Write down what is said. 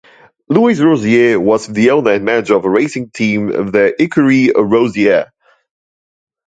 Louis Rosier was the owner and manager of a racing team, the "Ecurie Rosier".